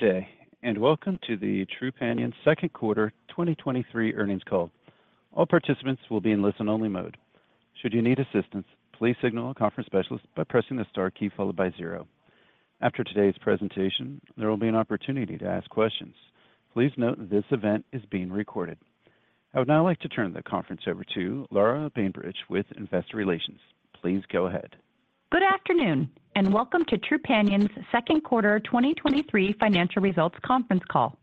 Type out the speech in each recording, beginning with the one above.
Good day, and welcome to the Trupanion's Q2 2023 earnings call. All participants will be in listen-only mode. Should you need assistance, please signal a conference specialist by pressing the star key followed by 0. After today's presentation, there will be an opportunity to ask questions. Please note this event is being recorded. I would now like to turn the conference over to Laura Bainbridge with Investor Relations. Please go ahead. Good afternoon, welcome to Trupanion's Q2 2023 financial results conference call.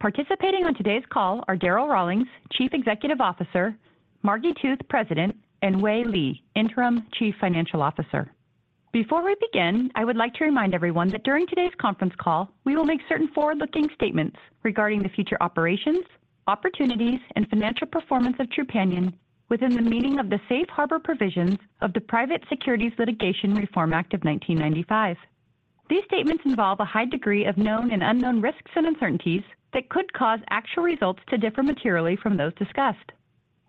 Participating on today's call are Darryl Rawlings, Chief Executive Officer, Margi Tooth, President, and Wei Li, Interim Chief Financial Officer. Before we begin, I would like to remind everyone that during today's conference call, we will make certain forward-looking statements regarding the future operations, opportunities, and financial performance of Trupanion within the meaning of the Safe Harbor Provisions of the Private Securities Litigation Reform Act of 1995. These statements involve a high degree of known and unknown risks and uncertainties that could cause actual results to differ materially from those discussed.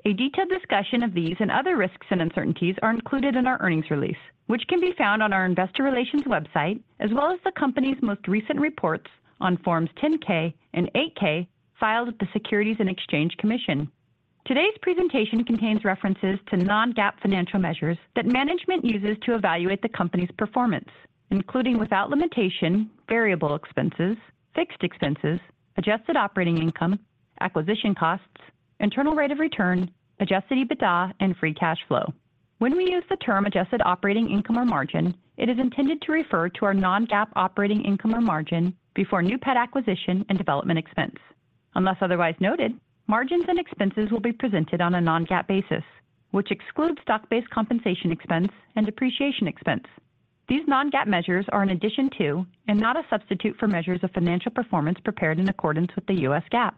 A detailed discussion of these and other risks and uncertainties are included in our earnings release, which can be found on our investor relations website, as well as the company's most recent reports on Forms 10-K and 8-K filed at the Securities and Exchange Commission. Today's presentation contains references to non-GAAP financial measures that management uses to evaluate the company's performance, including, without limitation, variable expenses, fixed expenses, adjusted operating income, acquisition costs, internal rate of return, adjusted EBITDA, and free cash flow. When we use the term adjusted operating income or margin, it is intended to refer to our non-GAAP operating income or margin before new pet acquisition and development expense. Unless otherwise noted, margins and expenses will be presented on a non-GAAP basis, which excludes stock-based compensation expense and depreciation expense. These non-GAAP measures are an addition to and not a substitute for measures of financial performance prepared in accordance with the U.S. GAAP.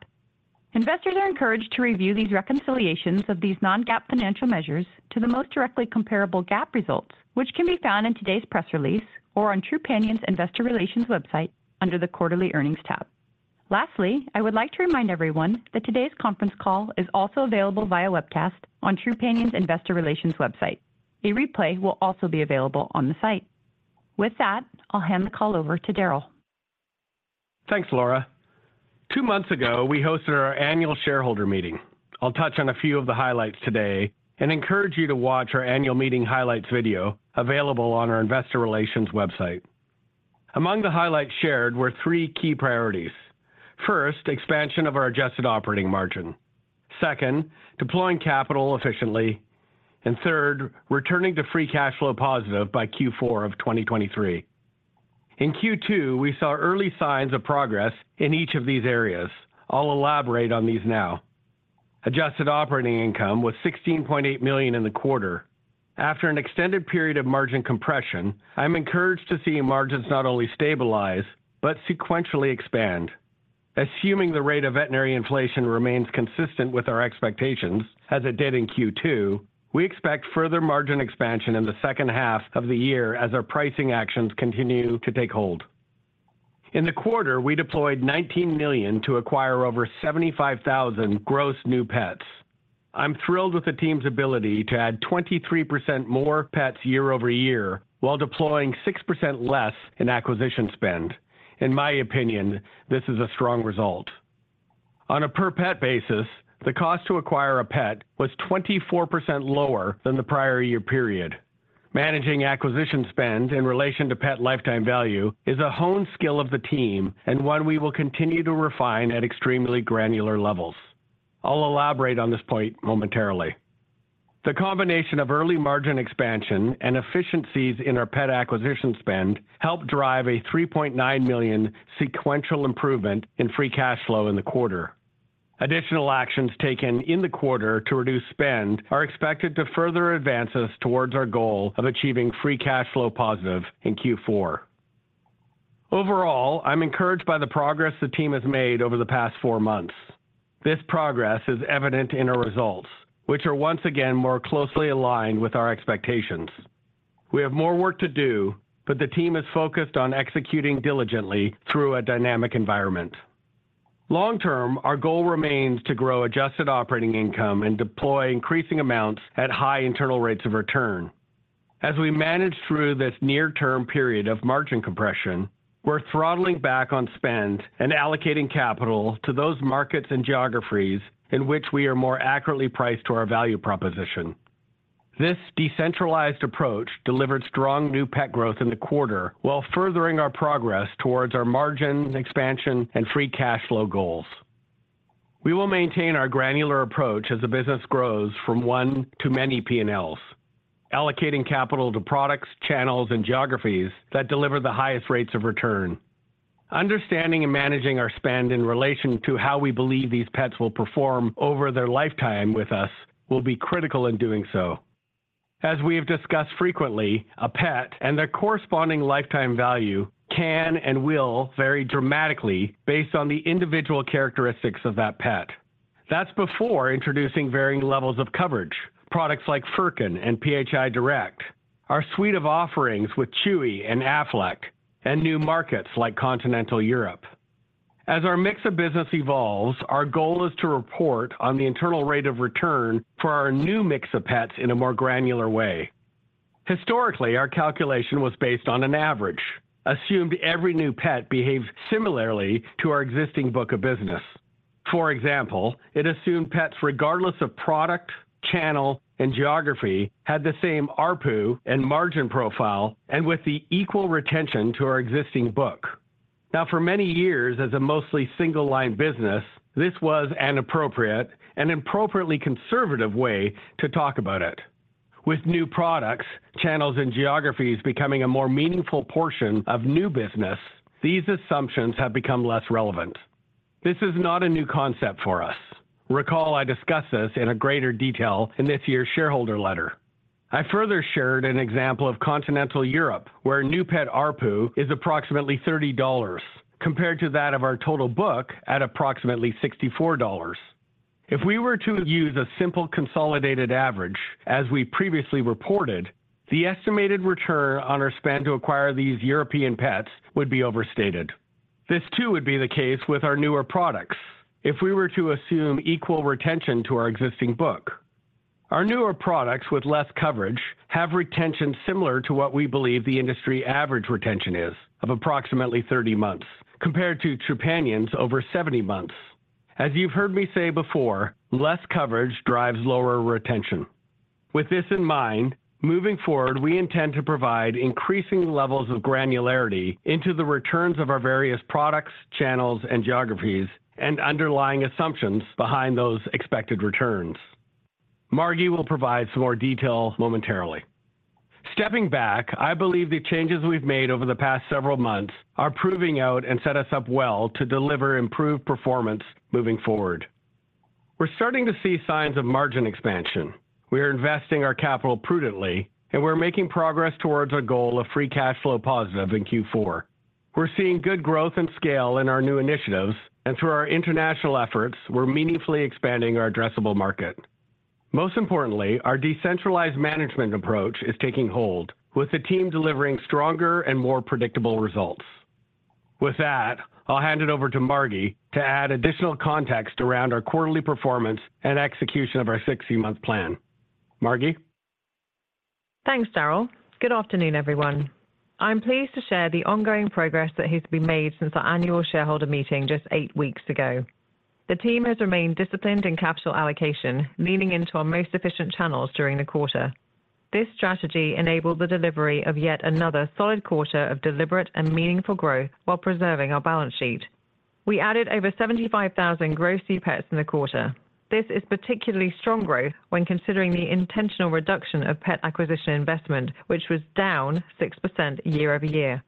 Investors are encouraged to review these reconciliations of these non-GAAP financial measures to the most directly comparable GAAP results, which can be found in today's press release or on Trupanion's investor relations website under the Quarterly Earnings tab. Lastly, I would like to remind everyone that today's conference call is also available via webcast on Trupanion's investor relations website. A replay will also be available on the site. With that, I'll hand the call over to Darryl. Thanks, Laura. Two months ago, we hosted our annual shareholder meeting. I'll touch on a few of the highlights today and encourage you to watch our annual meeting highlights video available on our investor relations website. Among the highlights shared were three key priorities. First, expansion of our adjusted operating margin. Second, deploying capital efficiently. Third, returning to free cash flow positive by Q4 of 2023. In Q2, we saw early signs of progress in each of these areas. I'll elaborate on these now. Adjusted operating income was $16.8 million in the quarter. After an extended period of margin compression, I'm encouraged to see margins not only stabilize, but sequentially expand. Assuming the rate of veterinary inflation remains consistent with our expectations, as it did in Q2, we expect further margin expansion in the H2 of the year as our pricing actions continue to take hold. In the quarter, we deployed $19 million to acquire over 75,000 gross new pets. I'm thrilled with the team's ability to add 23% more pets year-over-year, while deploying 6% less in acquisition spend. In my opinion, this is a strong result. On a per pet basis, the cost to acquire a pet was 24% lower than the prior year period. Managing acquisition spend in relation to pet lifetime value is a honed skill of the team and one we will continue to refine at extremely granular levels. I'll elaborate on this point momentarily. The combination of early margin expansion and efficiencies in our pet acquisition spend helped drive a $3.9 million sequential improvement in free cash flow in the quarter. Additional actions taken in the quarter to reduce spend are expected to further advance us towards our goal of achieving free cash flow positive in Q4. Overall, I'm encouraged by the progress the team has made over the past four months. This progress is evident in our results, which are once again more closely aligned with our expectations. We have more work to do. The team is focused on executing diligently through a dynamic environment. Long term, our goal remains to grow adjusted operating income and deploy increasing amounts at high internal rates of return. As we manage through this near-term period of margin compression, we're throttling back on spend and allocating capital to those markets and geographies in which we are more accurately priced to our value proposition. This decentralized approach delivered strong new pet growth in the quarter, while furthering our progress towards our margin expansion and free cash flow goals. We will maintain our granular approach as the business grows from one to many PNLs, allocating capital to products, channels, and geographies that deliver the highest rates of return. Understanding and managing our spend in relation to how we believe these pets will perform over their lifetime with us will be critical in doing so. As we have discussed frequently, a pet and their corresponding lifetime value can and will vary dramatically based on the individual characteristics of that pet. That's before introducing varying levels of coverage, products like Furkin and PHI Direct, our suite of offerings with Chewy and Aflac, and new markets like continental Europe. As our mix of business evolves, our goal is to report on the internal rate of return for our new mix of pets in a more granular way. Historically, our calculation was based on an average, assumed every new pet behaved similarly to our existing book of business. For example, it assumed pets, regardless of product, channel, and geography, had the same ARPU and margin profile and with the equal retention to our existing book. Now, for many years, as a mostly single-line business, this was an appropriate and appropriately conservative way to talk about it. With new products, channels, and geographies becoming a more meaningful portion of new business, these assumptions have become less relevant. This is not a new concept for us. Recall, I discussed this in a greater detail in this year's shareholder letter. I further shared an example of continental Europe, where new pet ARPU is approximately $30, compared to that of our total book at approximately $64. If we were to use a simple consolidated average, as we previously reported, the estimated return on our spend to acquire these European pets would be overstated. This, too, would be the case with our newer products if we were to assume equal retention to our existing book. Our newer products with less coverage have retention similar to what we believe the industry average retention is, of approximately 30 months, compared to Trupanion's over 70 months. As you've heard me say before, less coverage drives lower retention. With this in mind, moving forward, we intend to provide increasing levels of granularity into the returns of our various products, channels, and geographies, and underlying assumptions behind those expected returns. Margi will provide some more detail momentarily. Stepping back, I believe the changes we've made over the past several months are proving out and set us up well to deliver improved performance moving forward. We're starting to see signs of margin expansion. We are investing our capital prudently, and we're making progress towards our goal of free cash flow positive in Q4. We're seeing good growth and scale in our new initiatives, and through our international efforts, we're meaningfully expanding our addressable market. Most importantly, our decentralized management approach is taking hold, with the team delivering stronger and more predictable results. With that, I'll hand it over to Margi to add additional context around our quarterly performance and execution of our 60-month plan. Margi? Thanks, Darryl. Good afternoon, everyone. I'm pleased to share the ongoing progress that has been made since our annual shareholder meeting just eight weeks ago. The team has remained disciplined in capital allocation, leaning into our most efficient channels during the quarter. This strategy enabled the delivery of yet another solid quarter of deliberate and meaningful growth while preserving our balance sheet. We added over 75,000 gross new pets in the quarter. This is particularly strong growth when considering the intentional reduction of pet acquisition investment, which was down 6% year-over-year.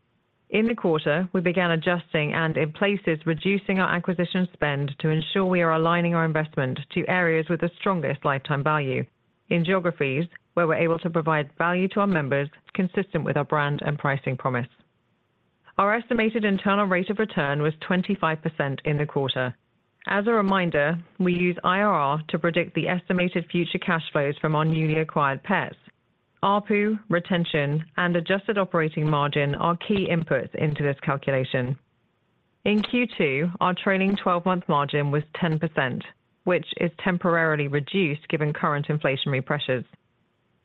In the quarter, we began adjusting and, in places, reducing our acquisition spend to ensure we are aligning our investment to areas with the strongest lifetime value in geographies where we're able to provide value to our members consistent with our brand and pricing promise. Our estimated internal rate of return was 25% in the quarter. As a reminder, we use IRR to predict the estimated future cash flows from our newly acquired pets. ARPU, retention, and adjusted operating margin are key inputs into this calculation. In Q2, our trailing twelve-month margin was 10%, which is temporarily reduced given current inflationary pressures.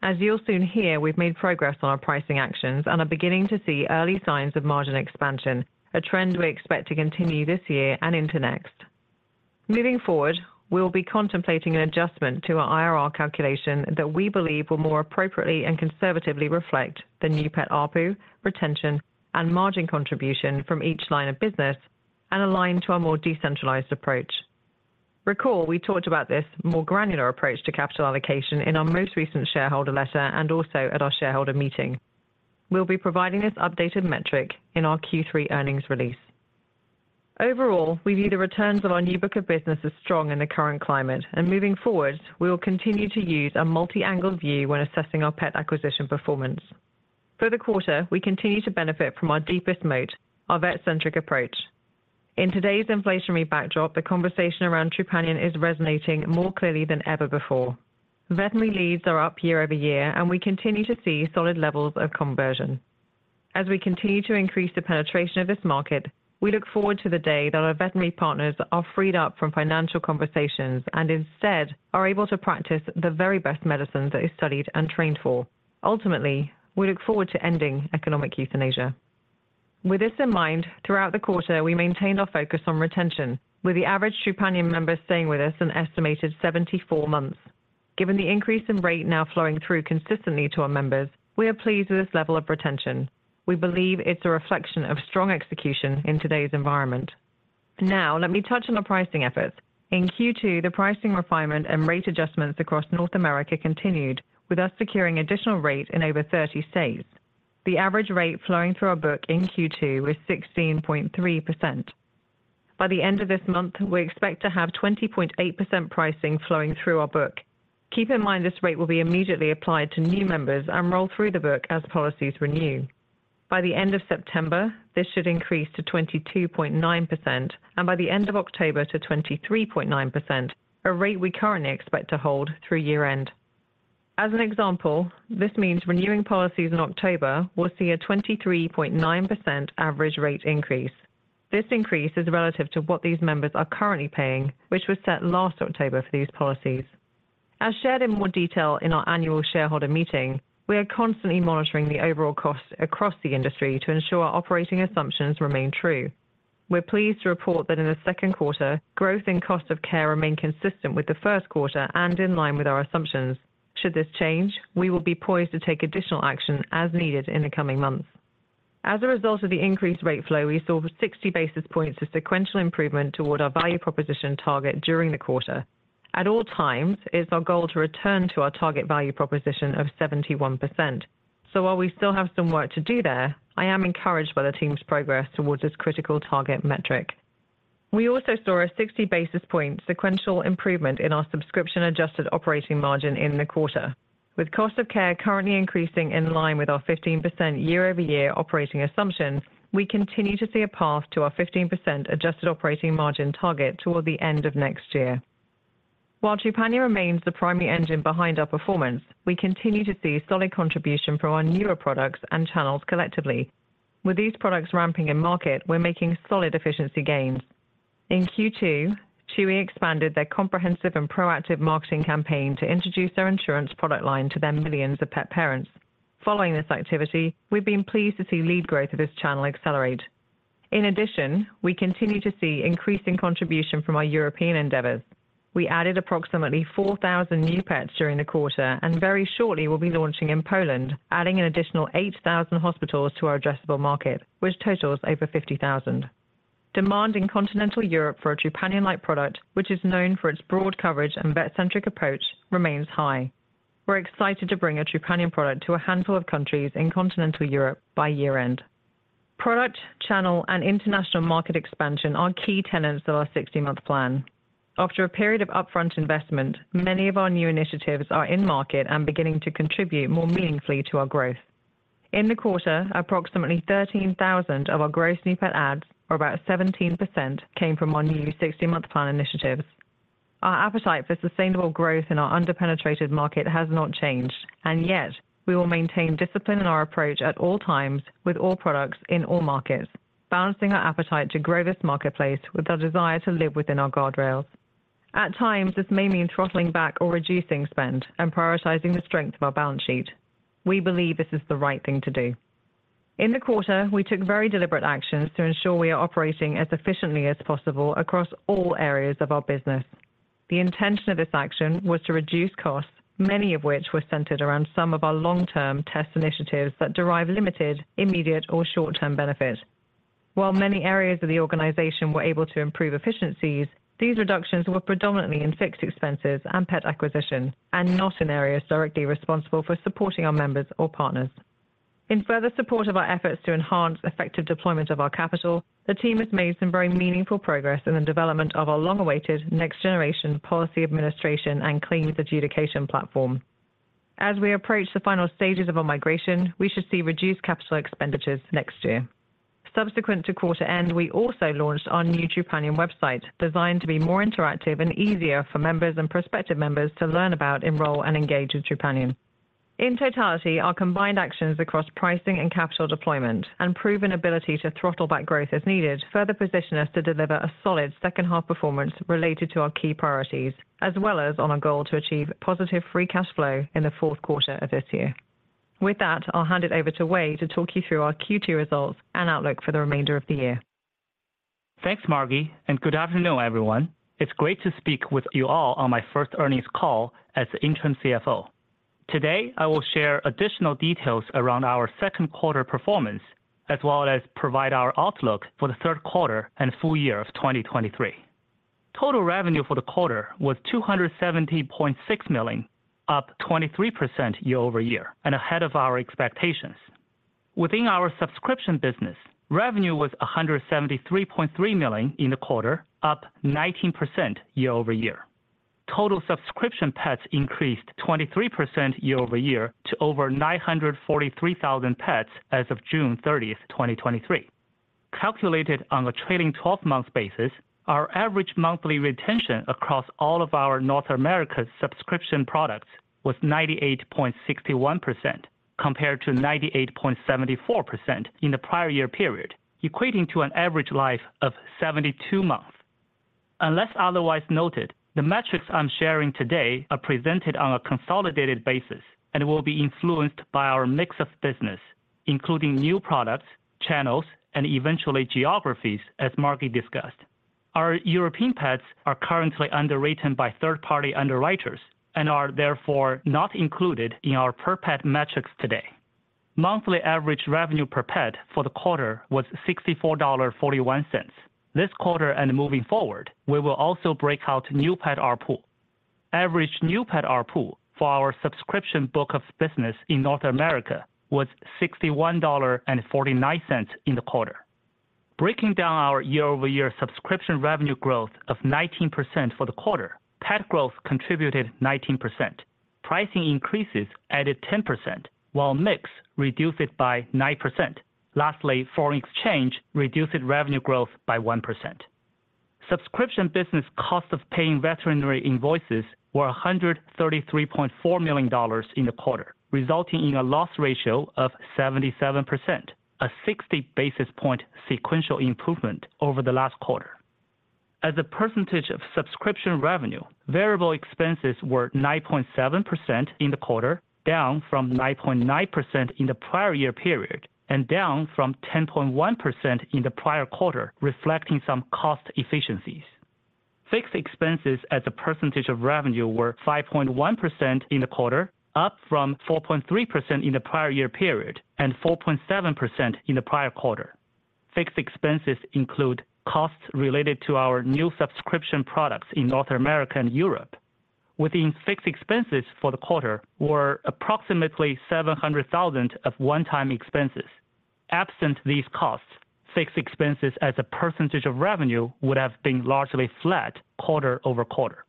As you'll soon hear, we've made progress on our pricing actions and are beginning to see early signs of margin expansion, a trend we expect to continue this year and into next. Moving forward, we will be contemplating an adjustment to our IRR calculation that we believe will more appropriately and conservatively reflect the new pet ARPU, retention, and margin contribution from each line of business and align to our more decentralized approach. Recall, we talked about this more granular approach to capital allocation in our most recent shareholder letter and also at our shareholder meeting. We'll be providing this updated metric in our Q3 earnings release. Overall, we view the returns of our new book of business as strong in the current climate, and moving forward, we will continue to use a multi-angled view when assessing our pet acquisition performance. For the quarter, we continue to benefit from our deepest moat, our vet-centric approach. In today's inflationary backdrop, the conversation around Trupanion is resonating more clearly than ever before. Veterinary leads are up year-over-year, and we continue to see solid levels of conversion. As we continue to increase the penetration of this market, we look forward to the day that our veterinary partners are freed up from financial conversations and instead are able to practice the very best medicine they studied and trained for. Ultimately, we look forward to ending economic euthanasia. With this in mind, throughout the quarter, we maintained our focus on retention, with the average Trupanion member staying with us an estimated 74 months. Given the increase in rate now flowing through consistently to our members, we are pleased with this level of retention. We believe it's a reflection of strong execution in today's environment. Now, let me touch on the pricing efforts. In Q2, the pricing refinement and rate adjustments across North America continued, with us securing additional rate in over 30 states. The average rate flowing through our book in Q2 was 16.3%. By the end of this month, we expect to have 20.8% pricing flowing through our book. Keep in mind, this rate will be immediately applied to new members and roll through the book as policies renew. By the end of September, this should increase to 22.9%, and by the end of October to 23.9%, a rate we currently expect to hold through year-end. As an example, this means renewing policies in October will see a 23.9% average rate increase. This increase is relative to what these members are currently paying, which was set last October for these policies. As shared in more detail in our annual shareholder meeting, we are constantly monitoring the overall costs across the industry to ensure our operating assumptions remain true. We're pleased to report that in the Q2, growth in cost of care remained consistent with the Q1 and in line with our assumptions. Should this change, we will be poised to take additional action as needed in the coming months. As a result of the increased rate flow, we saw 60 basis points of sequential improvement toward our value proposition target during the quarter. At all times, it's our goal to return to our target value proposition of 71%. While we still have some work to do there, I am encouraged by the team's progress towards this critical target metric. We also saw a 60 basis point sequential improvement in our subscription adjusted operating margin in the quarter. With cost of care currently increasing in line with our 15% year-over-year operating assumptions, we continue to see a path to our 15% adjusted operating margin target toward the end of next year. While Trupanion remains the primary engine behind our performance, we continue to see solid contribution from our newer products and channels collectively. With these products ramping in market, we're making solid efficiency gains. In Q2, Chewy expanded their comprehensive and proactive marketing campaign to introduce their insurance product line to their millions of pet parents. Following this activity, we've been pleased to see lead growth of this channel accelerate. In addition, we continue to see increasing contribution from our European endeavors. We added approximately 4,000 new pets during the quarter. Very shortly we'll be launching in Poland, adding an additional 8,000 hospitals to our addressable market, which totals over 50,000. Demand in continental Europe for a Trupanion-like product, which is known for its broad coverage and vet-centric approach, remains high. We're excited to bring a Trupanion product to a handful of countries in continental Europe by year-end. Product, channel, and international market expansion are key tenants of our 60-month plan. After a period of upfront investment, many of our new initiatives are in market and beginning to contribute more meaningfully to our growth. In the quarter, approximately 13,000 of our gross new pet adds, or about 17%, came from our new 60-month plan initiatives. Our appetite for sustainable growth in our under-penetrated market has not changed, yet we will maintain discipline in our approach at all times with all products in all markets, balancing our appetite to grow this marketplace with our desire to live within our guardrails. At times, this may mean throttling back or reducing spend and prioritizing the strength of our balance sheet. We believe this is the right thing to do. In the quarter, we took very deliberate actions to ensure we are operating as efficiently as possible across all areas of our business. The intention of this action was to reduce costs, many of which were centered around some of our long-term test initiatives that derive limited, immediate, or short-term benefit. While many areas of the organization were able to improve efficiencies, these reductions were predominantly in fixed expenses and pet acquisition, and not in areas directly responsible for supporting our members or partners. In further support of our efforts to enhance effective deployment of our capital, the team has made some very meaningful progress in the development of our long-awaited next generation policy administration and claims adjudication platform. As we approach the final stages of our migration, we should see reduced capital expenditures next year. Subsequent to quarter end, we also launched our new Trupanion website, designed to be more interactive and easier for members and prospective members to learn about, enroll, and engage with Trupanion. In totality, our combined actions across pricing and capital deployment and proven ability to throttle back growth as needed, further position us to deliver a solid H2 performance related to our key priorities, as well as on our goal to achieve positive free cash flow in the Q4 of this year. With that, I'll hand it over to Wei to talk you through our Q2 results and outlook for the remainder of the year. Thanks, Margi, and good afternoon, everyone. It's great to speak with you all on my first earnings call as interim CFO. Today, I will share additional details around our Q2 performance, as well as provide our outlook for the Q3 and full year of 2023. Total revenue for the quarter was $270.6 million, up 23% year-over-year, and ahead of our expectations. Within our subscription business, revenue was $173.3 million in the quarter, up 19% year-over-year. Total subscription pets increased 23% year-over-year to over 943,000 pets as of 30 June 2023. Calculated on a trailing 12-month basis, our average monthly retention across all of our North America subscription products was 98.61%, compared to 98.74% in the prior year period, equating to an average life of 72 months. Unless otherwise noted, the metrics I'm sharing today are presented on a consolidated basis and will be influenced by our mix of business, including new products, channels, and eventually geographies, as Margie discussed. Our European pets are currently underwritten by third-party underwriters and are therefore not included in our per pet metrics today. Monthly average revenue per pet for the quarter was $64.41. This quarter and moving forward, we will also break out new pet ARPU. Average new pet ARPU for our subscription book of business in North America was $61.49 in the quarter. Breaking down our year-over-year subscription revenue growth of 19% for the quarter, pet growth contributed 19%. Pricing increases added 10%, while mix reduced it by 9%. Lastly, foreign exchange reduced revenue growth by 1%. Subscription business cost of paying veterinary invoices were $133.4 million in the quarter, resulting in a loss ratio of 77%, a 60 basis point sequential improvement over the last quarter. As a percentage of subscription revenue, variable expenses were 9.7% in the quarter, down from 9.9% in the prior year period, and down from 10.1% in the prior quarter, reflecting some cost efficiencies. Fixed expenses as a percentage of revenue were 5.1% in the quarter, up from 4.3% in the prior year period and 4.7% in the prior quarter. Fixed expenses include costs related to our new subscription products in North America and Europe. Within fixed expenses for the quarter were approximately $700,000 of one-time expenses. Absent these costs, fixed expenses as a percentage of revenue would have been largely flat quarter-over-quarter.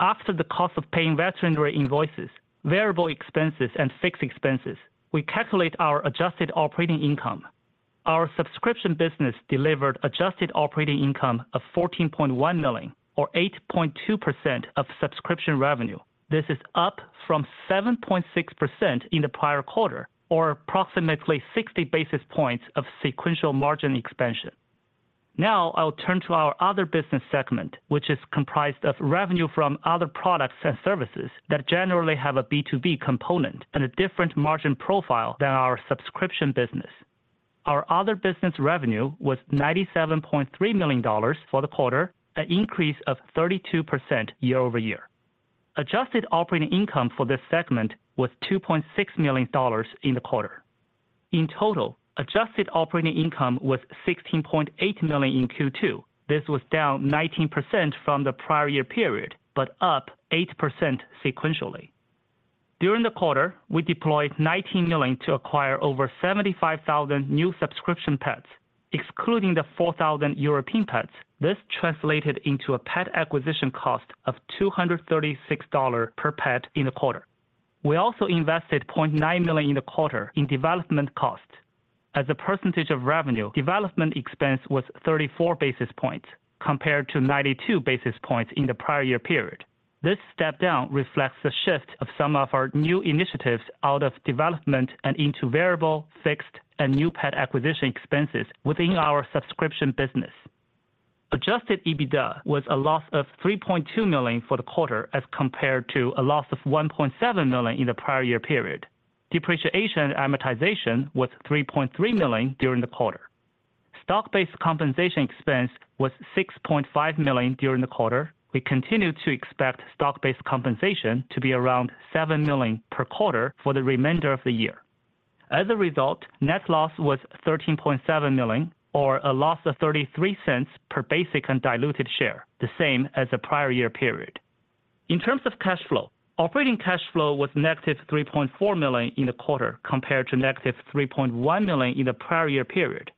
After the cost of paying veterinary invoices, variable expenses and fixed expenses, we calculate our adjusted operating income. Our subscription business delivered adjusted operating income of $14.1 million, or 8.2% of subscription revenue. This is up from 7.6% in the prior quarter, or approximately 60 basis points of sequential margin expansion. Now I will turn to our other business segment, which is comprised of revenue from other products and services that generally have a B2B component and a different margin profile than our subscription business. Our other business revenue was $97.3 million for the quarter, an increase of 32% year-over-year. Adjusted operating income for this segment was $2.6 million in the quarter. In total, Adjusted operating income was $16.8 million in Q2. This was down 19% from the prior year period, but up 8% sequentially. During the quarter, we deployed $19 million to acquire over 75,000 new subscription pets, excluding the 4,000 European pets. This translated into a pet acquisition cost of $236 per pet in the quarter. We also invested $0.9 million in the quarter in development costs. As a percentage of revenue, development expense was 34 basis points, compared to 92 basis points in the prior year period. This step down reflects the shift of some of our new initiatives out of development and into variable, fixed, and new pet acquisition expenses within our subscription business. Adjusted EBITDA was a loss of $3.2 million for the quarter, as compared to a loss of $1.7 million in the prior year period. Depreciation and amortization was $3.3 million during the quarter. Stock-based compensation expense was $6.5 million during the quarter. We continue to expect stock-based compensation to be around $7 million per quarter for the remainder of the year. As a result, net loss was $13.7 million, or a loss of $0.33 per basic and diluted share, the same as the prior year period. In terms of cash flow, operating cash flow was -$3.4 million in the quarter, compared to -$3.1 million in the prior year period.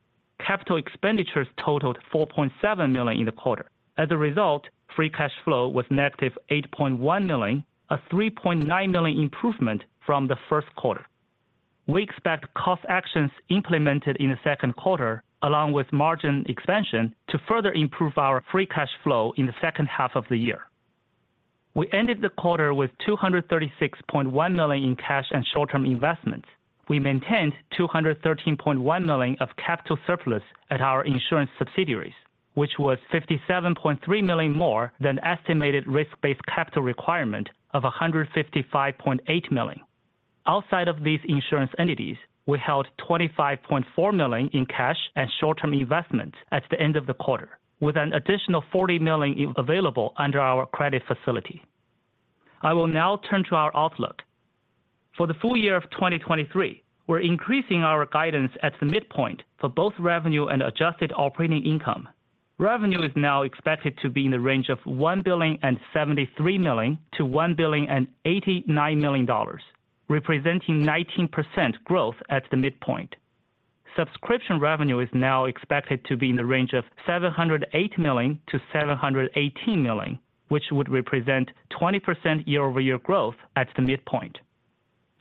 Capital expenditures totaled $4.7 million in the quarter. As a result, free cash flow was -$8.1 million, a $3.9 million improvement from the Q1. We expect cost actions implemented in the Q2, along with margin expansion, to further improve our free cash flow in the H2 of the year. We ended the quarter with $236.1 million in cash and short-term investments. We maintained $213.1 million of capital surplus at our insurance subsidiaries, which was $57.3 million more than estimated risk-based capital requirement of $155.8 million. Outside of these insurance entities, we held $25.4 million in cash and short-term investments at the end of the quarter, with an additional $40 million available under our credit facility. I will now turn to our outlook. For the full year of 2023, we're increasing our guidance at the midpoint for both revenue and adjusted operating income. Revenue is now expected to be in the range of $1.073 billion-$1.089 billion, representing 19% growth at the midpoint. Subscription revenue is now expected to be in the range of $708 million-$718 million, which would represent 20% year-over-year growth at the midpoint.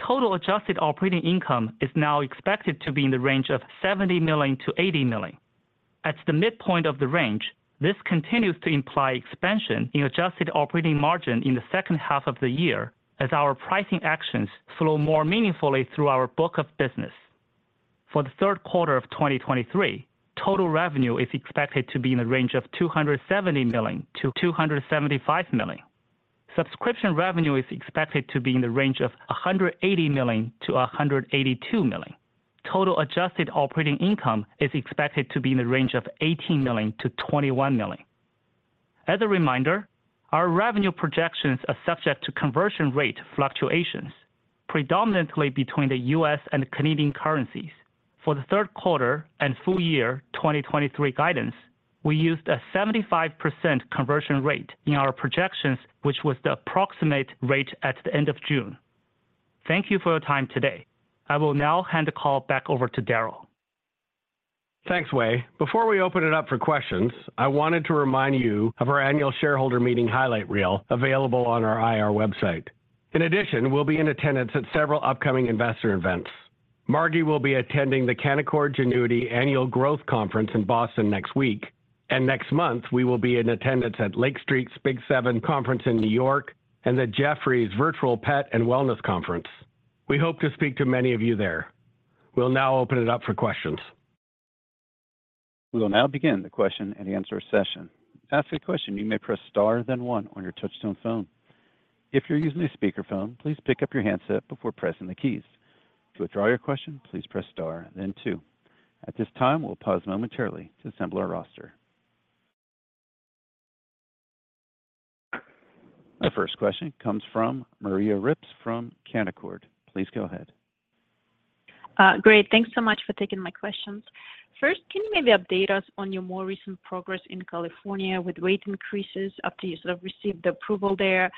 Total adjusted operating income is now expected to be in the range of $70 million-$80 million. At the midpoint of the range, this continues to imply expansion in adjusted operating margin in the H2 of the year as our pricing actions flow more meaningfully through our book of business. For the Q3 of 2023, total revenue is expected to be in the range of $270 million-$275 million. Subscription revenue is expected to be in the range of $180 million-$182 million. Total adjusted operating income is expected to be in the range of $18 million-$21 million. As a reminder, our revenue projections are subject to conversion rate fluctuations, predominantly between the U.S. and Canadian currencies. For the Q3 and full year 2023 guidance, we used a 75% conversion rate in our projections, which was the approximate rate at the end of June. Thank you for your time today. I will now hand the call back over to Darryl. Thanks, Wei. Before we open it up for questions, I wanted to remind you of our annual shareholder meeting highlight reel available on our IR website. In addition, we'll be in attendance at several upcoming investor events. Margi will be attending the Canaccord Genuity Annual Growth Conference in Boston next week. Next month, we will be in attendance at Lake Street's Big Seven Conference in New York and the Jefferies Virtual Pet and Wellness Conference. We hope to speak to many of you there. We'll now open it up for questions. We will now begin the question and answer session. To ask a question, you may press star one on your touchtone phone. If you're using a speakerphone, please pick up your handset before pressing the keys. To withdraw your question, please press star two. At this time, we'll pause momentarily to assemble our roster. Our first question comes from Maria Ripps from Canaccord Genuity. Please go ahead. Great. Thanks so much for taking my questions. First, can you maybe update us on your more recent progress in California with rate increases after you sort of received the approval there?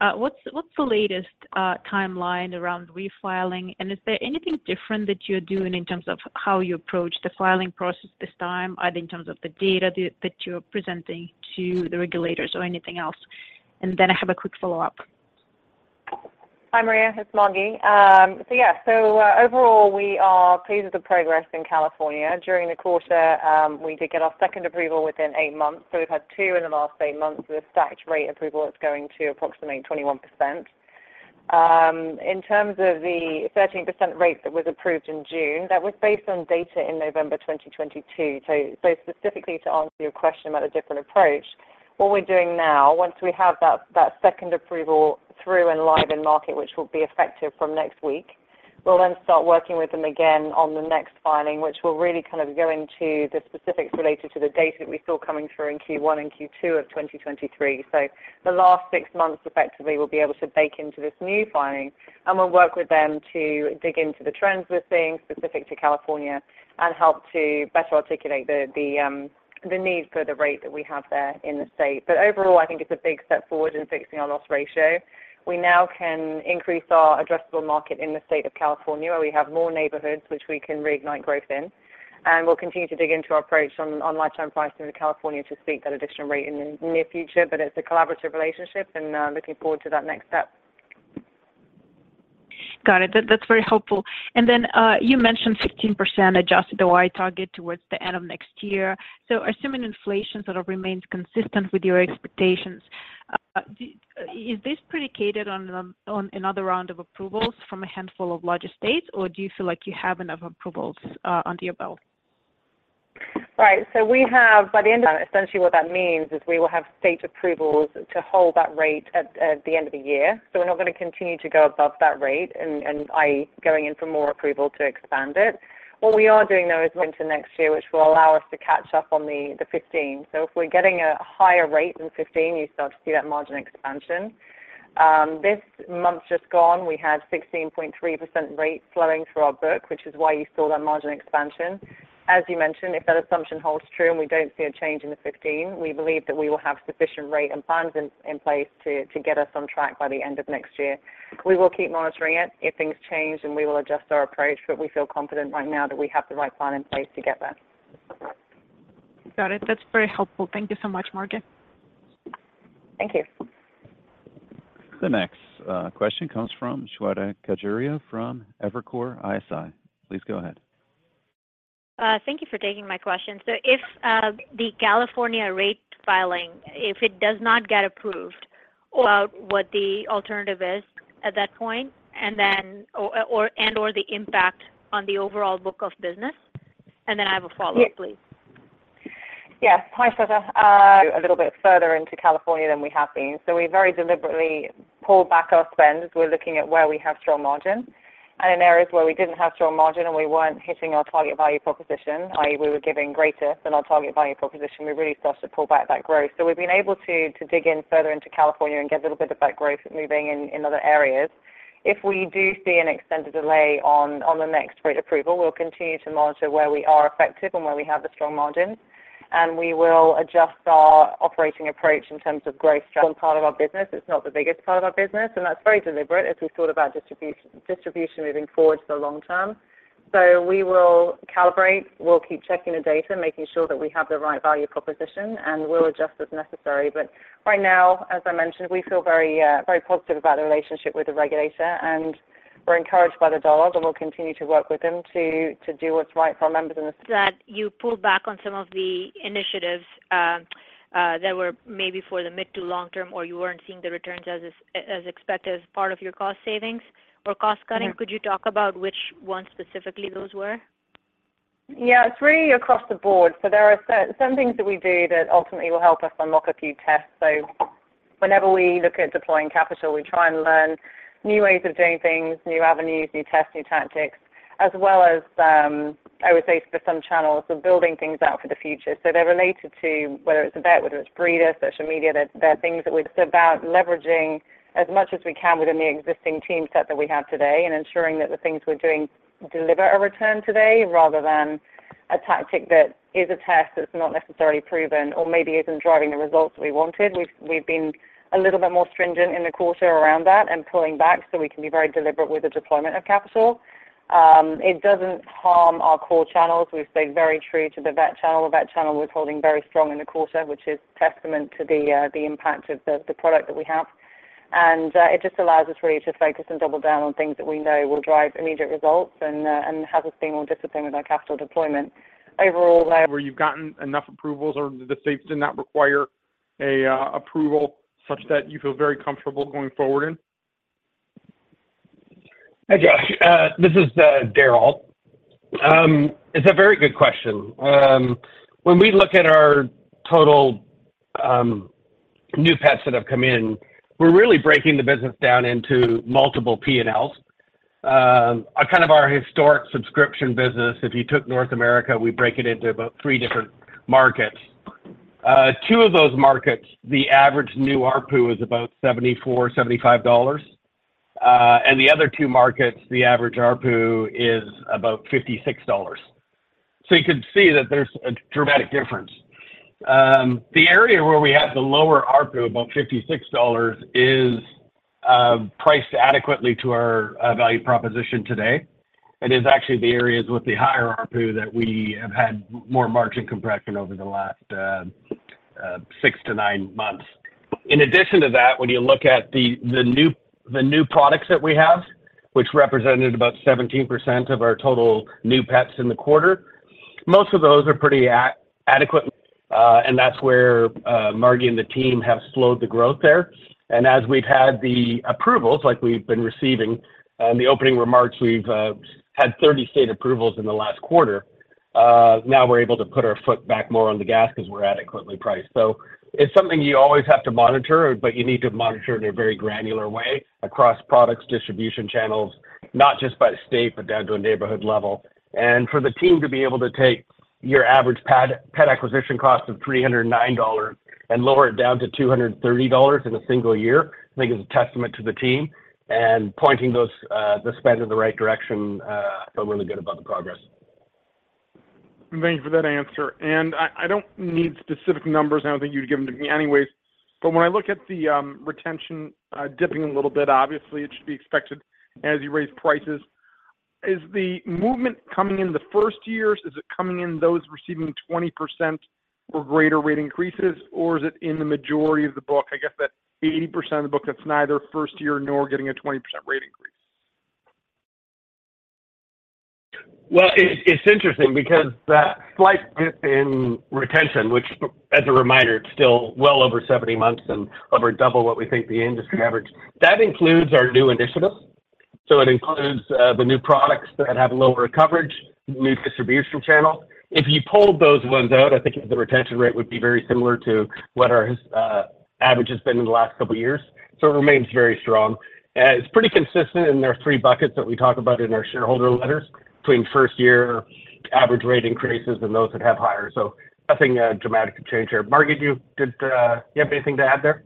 What's, what's the latest timeline around refiling? Is there anything different that you're doing in terms of how you approach the filing process this time, either in terms of the data that, that you're presenting to the regulators or anything else? Then I have a quick follow-up. Hi, Maria, it's Margi. Yeah. Overall, we are pleased with the progress in California. During the quarter, we did get our second approval within eight months, so we've had two in the last eight months with a stacked rate approval that's going to approximate 21%. In terms of the 13% rate that was approved in June, that was based on data in November 2022. Specifically to answer your question about a different approach, what we're doing now, once we have that, that second approval through and live in market, which will be effective from next week, we'll then start working with them again on the next filing, which will really kind of go into the specifics related to the data that we saw coming through in Q1 and Q2 of 2023. The last six months, effectively, we'll be able to bake into this new filing, and we'll work with them to dig into the trends we're seeing specific to California and help to better articulate the, the need for the rate that we have there in the state. Overall, I think it's a big step forward in fixing our loss ratio. We now can increase our addressable market in the state of California, where we have more neighborhoods which we can reignite growth in, and we'll continue to dig into our approach on Lifetime Price in California to seek that additional rate in the near future. It's a collaborative relationship and looking forward to that next step. Got it. That, that's very helpful. You mentioned 16% adjusted ROI target towards the end of next year. Assuming inflation sort of remains consistent with your expectations, is this predicated on another round of approvals from a handful of larger states, or do you feel like you have enough approvals under your belt? Right. We have by the end of, essentially, what that means is we will have state approvals to hold that rate at, at the end of the year. We're not going to continue to go above that rate and, and i.e., going in for more approval to expand it. What we are doing, though, is into next year, which will allow us to catch up on the, the 15. If we're getting a higher rate than 15, you start to see that margin expansion. This month just gone, we had 16.3% rate flowing through our book, which is why you saw that margin expansion. As you mentioned, if that assumption holds true and we don't see a change in the 15, we believe that we will have sufficient rate and plans in place to get us on track by the end of next year. We will keep monitoring it if things change, and we will adjust our approach, but we feel confident right now that we have the right plan in place to get there. Got it. That's very helpful. Thank you so much, Margi. Thank you. The next question comes from Shweta Khajuria from Evercore ISI. Please go ahead. Thank you for taking my question. If, the California rate filing, if it does not get approved, what the alternative is at that point, and then, or, or, and/or the impact on the overall book of business? Then I have a follow-up, please. Yes. Hi, Shweta. A little bit further into California than we have been. We very deliberately pulled back our spend as we're looking at where we have strong margins. In areas where we didn't have strong margin and we weren't hitting our target value proposition, i.e., we were giving greater than our target value proposition, we really started to pull back that growth. We've been able to, to dig in further into California and get a little bit of that growth moving in, in other areas. If we do see an extended delay on, on the next rate approval, we'll continue to monitor where we are effective and where we have the strong margins, and we will adjust our operating approach in terms of growth. One part of our business, it's not the biggest part of our business, and that's very deliberate as we thought about distribution moving forward to the long term. We will calibrate. We'll keep checking the data, making sure that we have the right value proposition, and we'll adjust as necessary. Right now, as I mentioned, we feel very, very positive about the relationship with the regulator, and we're encouraged by the dialogue, and we'll continue to work with them to, to do what's right for our members. That you pulled back on some of the initiatives, that were maybe for the mid to long term, or you weren't seeing the returns as, as expected as part of your cost savings or cost cutting. Mm-hmm. Could you talk about which ones specifically those were? Yeah, it's really across the board. There are some things that we do that ultimately will help us unlock a few tests. Whenever we look at deploying capital, we try and learn new ways of doing things, new avenues, new tests, new tactics, as well as, I would say for some channels, so building things out for the future. They're related to whether it's event, whether it's breeder, social media. They're, they're things that we've about leveraging as much as we can within the existing team set that we have today and ensuring that the things we're doing deliver a return today rather than a tactic that is a test that's not necessarily proven or maybe isn't driving the results we wanted. We've, we've been a little bit more stringent in the quarter around that and pulling back so we can be very deliberate with the deployment of capital. It doesn't harm our core channels. We've stayed very true to the vet channel. The vet channel was holding very strong in the quarter, which is testament to the impact of the, the product that we have. It just allows us really to focus and double down on things that we know will drive immediate results and have us being more disciplined with our capital deployment. Overall. Where you've gotten enough approvals or the states did not require a, approval such that you feel very comfortable going forward in? Hey, Josh, this is Darryl. It's a very good question. When we look at our total new pets that have come in, we're really breaking the business down into multiple P&Ls. Kind of our historic subscription business, if you took North America, we break it into about three different markets. Two of those markets, the average new ARPU is about $74-$75. And the other two markets, the average ARPU is about $56. You can see that there's a dramatic difference. The area where we have the lower ARPU, about $56, is priced adequately to our value proposition today. It is actually the areas with the higher ARPU that we have had more margin compression over the last 6-9 months. In addition to that, when you look at the new products that we have, which represented about 17% of our total new pets in the quarter, most of those are pretty adequate. That's where Margi and the team have slowed the growth there. As we've had the approvals, like we've been receiving, the opening remarks, we've had 30 state approvals in the last quarter. Now we're able to put our foot back more on the gas because we're adequately priced. It's something you always have to monitor, but you need to monitor in a very granular way across products, distribution channels, not just by the state, but down to a neighborhood level. For the team to be able to take your average pet acquisition cost of $309 and lower it down to $230 in a single year, I think, is a testament to the team and pointing those, the spend in the right direction. I feel really good about the progress. Thank you for that answer. I, I don't need specific numbers. I don't think you'd give them to me anyways, but when I look at the retention dipping a little bit, obviously, it should be expected as you raise prices. Is the movement coming in the first years, is it coming in those receiving 20% or greater rate increases, or is it in the majority of the book? I guess that 80% of the book, that's neither first year nor getting a 20% rate increase. It's interesting because that slight dip in retention, which as a reminder, it's still well over 70 months and over double what we think the industry average. That includes our new initiatives. It includes the new products that have lower coverage, new distribution channel. If you pulled those ones out, I think the retention rate would be very similar to what our average has been in the last couple of years. It remains very strong. It's pretty consistent, and there are three buckets that we talk about in our shareholder letters between first-year average rate increases and those that have higher. Nothing dramatically change here. Margi, did you have anything to add there?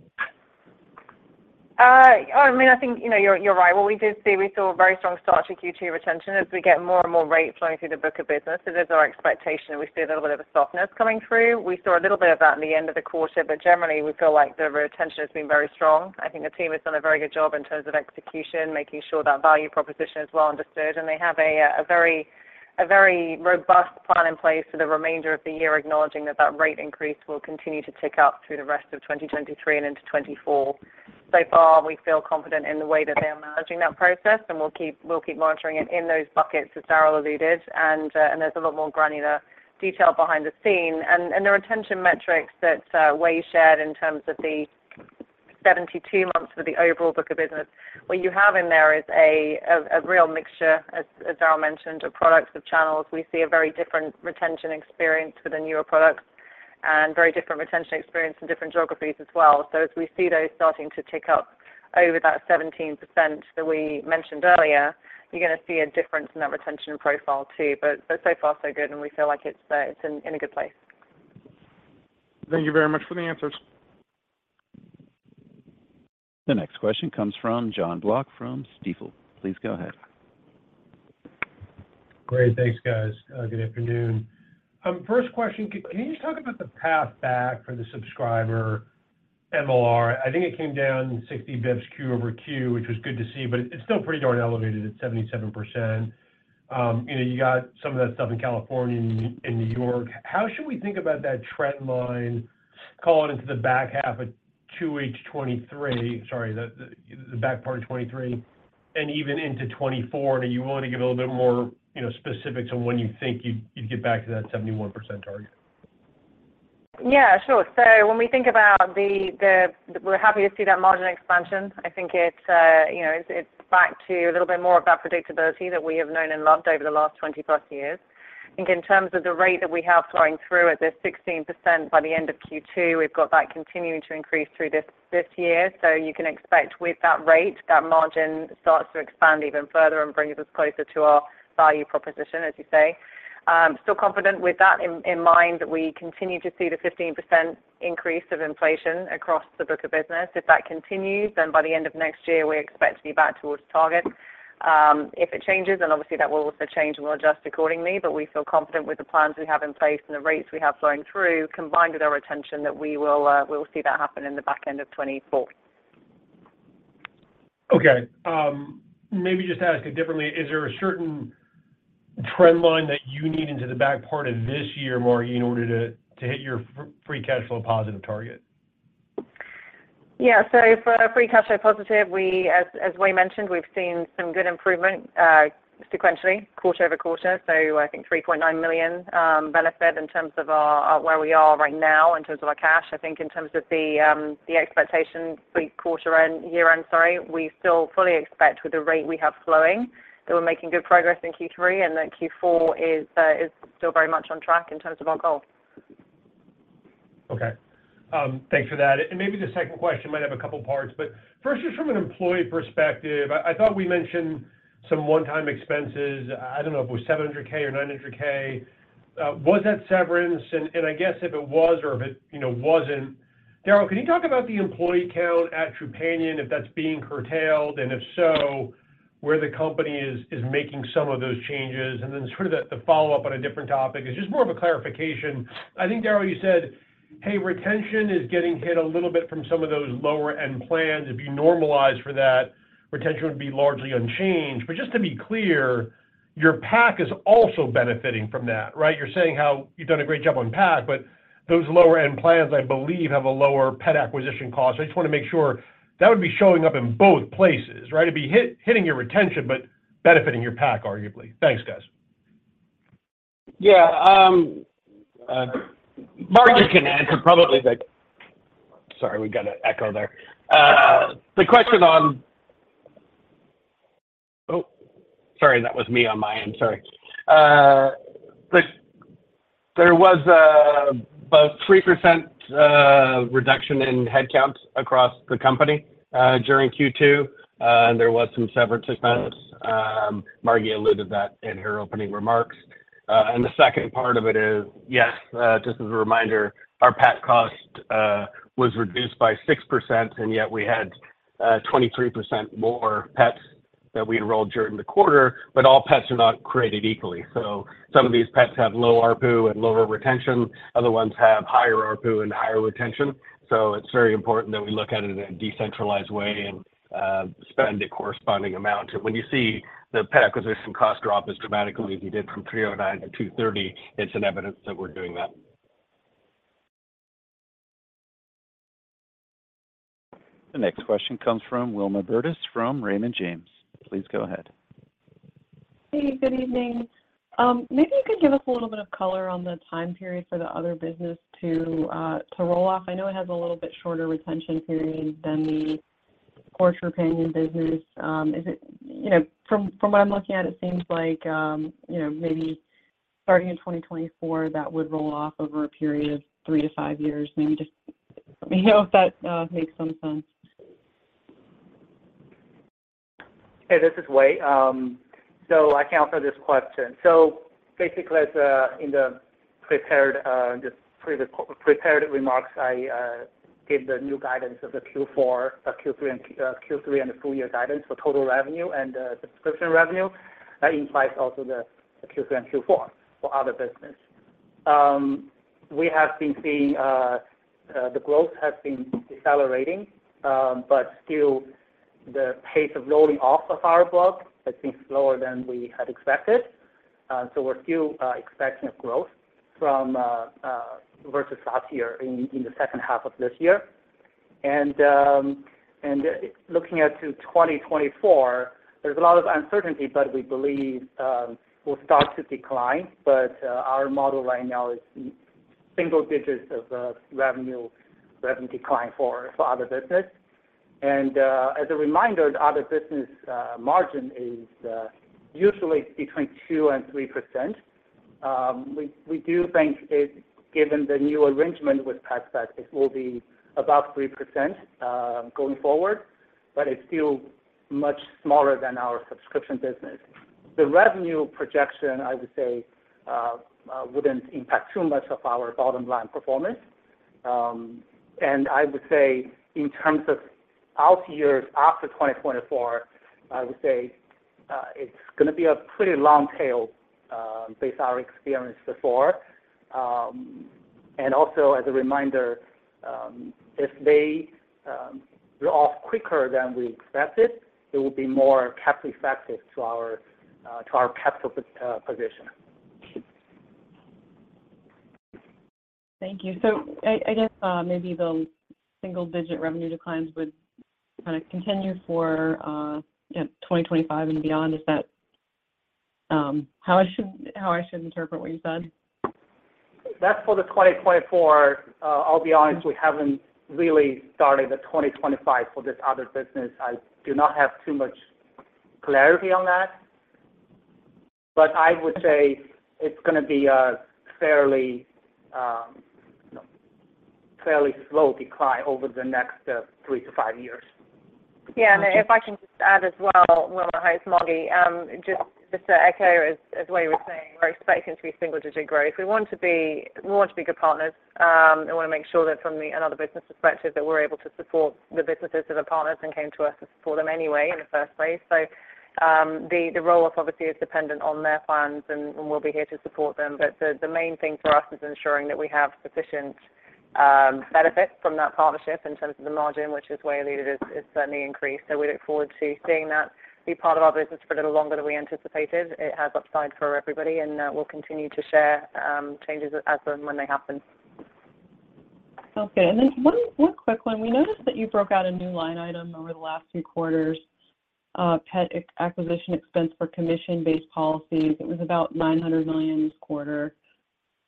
I think, you're, you're right. What we did see, we saw a very strong start to Q2 retention as we get more and more rates flowing through the book of business. There's our expectation. We see a little bit of a softness coming through. We saw a little bit of that in the end of the quarter, but generally, we feel like the retention has been very strong. I think the team has done a very good job in terms of execution, making sure that value proposition is well understood, and they have a very, a very robust plan in place for the remainder of the year, acknowledging that that rate increase will continue to tick up through the rest of 2023 and into 2024. By far, we feel confident in the way that they are managing that process, and we'll keep monitoring it in those buckets, as Darryl alluded. There's a lot more granular detail behind the scene. The retention metrics that Wei shared in terms of the 72 months for the overall book of business, what you have in there is a real mixture, as Darryl mentioned, of products, of channels. We see a very different retention experience with the newer products and very different retention experience in different geographies as well. As we see those starting to tick up over that 17% that we mentioned earlier, you're gonna see a difference in that retention profile too. So far, so good, and we feel like it's in a good place. Thank you very much for the answers. The next question comes from Jon Block from Stifel. Please go ahead. Great. Thanks, guys. Good afternoon. First question, can you just talk about the path back for the subscriber MLR? I think it came down 60 basis points quarter-over-quarter, which was good to see, but it's still pretty darn elevated at 77%. You know, you got some of that stuff in California and in New York. How should we think about that trend line calling into the back half of 2H 2023? Sorry, the back part of 2023 and even into 2024. Do you want to give a little bit more, you know, specifics on when you think you'd, you'd get back to that 71% target? Yeah, sure. When we think about we're happy to see that margin expansion. I think it's, you know, it's, it's back to a little bit more of that predictability that we have known and loved over the last 20-plus years. I think in terms of the rate that we have flowing through at this 16% by the end of Q2, we've got that continuing to increase through this, this year. You can expect with that rate, that margin starts to expand even further and brings us closer to our value proposition, as you say. Still confident with that in, in mind, we continue to see the 15% increase of inflation across the book of business. If that continues, then by the end of next year, we expect to be back towards target. If it changes, then obviously that will also change, and we'll adjust accordingly. We feel confident with the plans we have in place and the rates we have flowing through, combined with our retention, that we will, we will see that happen in the back end of 2024. Okay, maybe just to ask it differently, is there a certain trend line that you need into the back part of this year, Margi, in order to hit your free cash flow positive target? Yeah. For free cash flow positive, we, as Wei mentioned, we've seen some good improvement, sequentially, quarter-over-quarter. I think $3.9 million benefit in terms of our where we are right now in terms of our cash. I think in terms of the expectation for quarter end, year-end, sorry, we still fully expect with the rate we have flowing, that we're making good progress in Q3, then Q4 is still very much on track in terms of our goal. Okay. Thanks for that. Maybe the second question might have a couple parts, but first, just from an employee perspective, I, I thought we mentioned some one-time expenses. I, I don't know if it was $700K or $900K. Was that severance? I guess if it was or if it, you know, wasn't, Darryl, can you talk about the employee count at Trupanion, if that's being curtailed, and if so, where the company is, is making some of those changes? Then sort of the, the follow-up on a different topic, it's just more of a clarification. I think, Darryl, you said, "Hey, retention is getting hit a little bit from some of those lower-end plans. If you normalize for that, retention would be largely unchanged." Just to be clear, your PAC is also benefiting from that, right? You're saying how you've done a great job on PAC, but those lower-end plans, I believe, have a lower pet acquisition cost. I just wanna make sure, that would be showing up in both places, right? It'd be hitting your retention, but benefiting your PAC, arguably. Thanks, guys. Yeah, Margi can answer, probably, like. Sorry, we got an echo there. The question on. Oh, sorry, that was me on my end. Sorry. There was about 3% reduction in headcounts across the company during Q2. There was some severance expense. Margie alluded that in her opening remarks. The second part of it is, yes, just as a reminder, our pet cost was reduced by 6%. Yet we had 23% more pets that we enrolled during the quarter. All pets are not created equally. Some of these pets have low ARPU and lower retention, other ones have higher ARPU and higher retention. It's very important that we look at it in a decentralized way and spend a corresponding amount. When you see the pet acquisition cost drop as dramatically as we did from $309 to $230, it's an evidence that we're doing that. The next question comes from Wilma Burdis, from Raymond James. Please go ahead. Hey, good evening. Maybe you could give us a little bit of color on the time period for the other business to roll off. I know it has a little bit shorter retention period than the core Trupanion business. Is it, you know, from, from what I'm looking at, it seems like, you know, maybe starting in 2024, that would roll off over a period of 3-5 years. Maybe just let me know if that makes some sense. Hey, this is Wei. I can answer this question. Basically, as in the prepared remarks, I gave the new guidance of the Q4, Q3 and Q3 and the full year guidance for total revenue and subscription revenue. That implies also the Q3 and Q4 for other business. We have been seeing the growth has been decelerating, still the pace of rolling off of our book has been slower than we had expected. We're still expecting a growth from versus last year in the H2 of this year. Looking out to 2024, there's a lot of uncertainty, we believe we'll start to decline. Our model right now is single digits of revenue, revenue decline for other business. As a reminder, the other business margin is usually between 2%-3%. We, we do think it, given the new arrangement with PetSmart, it will be about 3% going forward, but it's still much smaller than our subscription business. The revenue projection, I would say, wouldn't impact too much of our bottom line performance. I would say in terms of out years after 2024, I would say, it's gonna be a pretty long tail based on our experience before. And also as a reminder, if they roll off quicker than we expected, it will be more capital effective to our to our pet position. Thank you. I, I guess, maybe the single-digit revenue declines would kind of continue for, you know, 2025 and beyond. Is that how I should, how I should interpret what you said? That's for the 2024. I'll be honest, we haven't really started the 2025 for this other business. I do not have too much clarity on that, but I would say it's gonna be a fairly, fairly slow decline over the next, three to five years. If I can just add as well, Wilma, hi, it's Margi. Just to echo as, as Wei was saying, we're expecting to be single-digit growth. We want to be good partners, and wanna make sure that from the another business perspective, that we're able to support the businesses that are partners and came to us to support them anyway in the first place. The, the roll-off obviously is dependent on their plans, and, and we'll be here to support them. The, the main thing for us is ensuring that we have benefit from that partnership in terms of the margin, which is where it is, is certainly increased. We look forward to seeing that be part of our business for a little longer than we anticipated. It has upside for everybody, and, we'll continue to share, changes as them when they happen. Okay. Then one, one quick one. We noticed that you broke out a new line item over the last few quarters, pet acquisition expense for commission-based policies. It was about $900 million this quarter.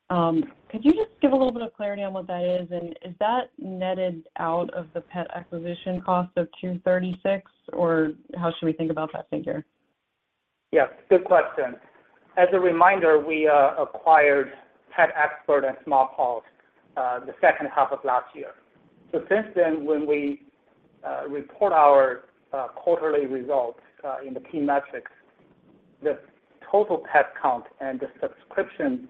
Could you just give a little bit of clarity on what that is? Is that netted out of the pet acquisition cost of $236, or how should we think about that figure? Yeah, good question. As a reminder, we acquired PetExpert and Smart Paws the H2 of last year. Since then, when we report our quarterly results in the key metrics, the total pet count and the subscription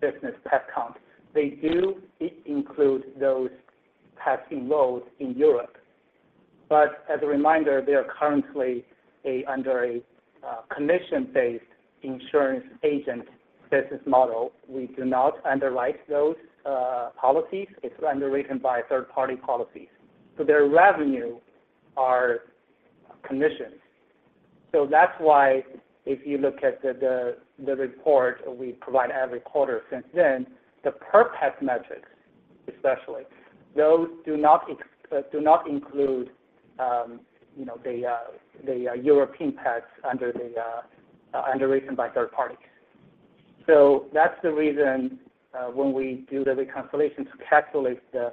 business pet count, they do include those pet inroads in Europe. As a reminder, they are currently under a commission-based insurance agent business model. We do not underwrite those policies. It's underwritten by a third-party policy. Their revenue are commissions. That's why if you look at the the the report we provide every quarter since then, the per pet metrics, especially, those do not include, you know, the the European pets under the underwritten by third party. That's the reason, when we do the reconciliation to calculate the